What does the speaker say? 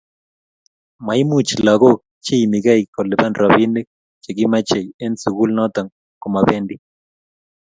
maimuchi lakok cheiimikei kolipan ropinik chekimachei eng sukul notok komapendi